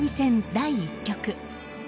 第１局。